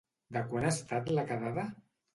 De quant ha estat la quedada?